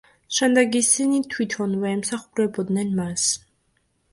შემდეგ ისინი თვითონვე ემსახურებოდნენ მას.